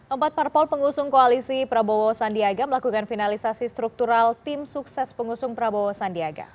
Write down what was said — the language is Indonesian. empat parpol pengusung koalisi prabowo sandiaga melakukan finalisasi struktural tim sukses pengusung prabowo sandiaga